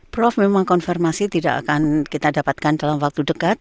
prof memang konfirmasi tidak akan kita dapatkan dalam waktu dekat